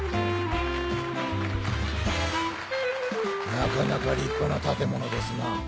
なかなか立派な建物ですな。